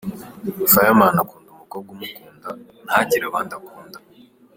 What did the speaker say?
Fireman akunda umukobwa umukunda, ntagire abandi akunda.